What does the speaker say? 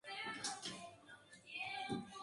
El libro está dividido en dos partes.